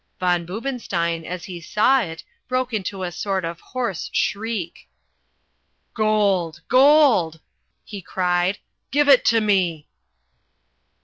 Von Boobenstein, as he saw it, broke into a sort of hoarse shriek. "Gold! gold!" he cried. "Give it to me!"